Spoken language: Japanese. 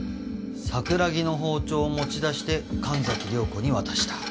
桜木の包丁を持ち出して神崎涼子に渡した。